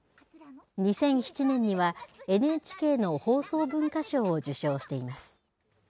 ２００７年にはＮＨＫの放送文化賞を受賞しています。